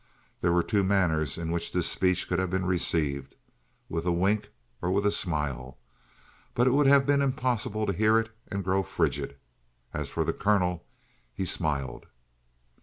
There were two manners in which this speech could have been received with a wink or with a smile. But it would have been impossible to hear it and grow frigid. As for the colonel, he smiled.